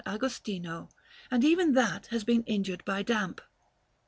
Agostino; and even that has been injured by damp.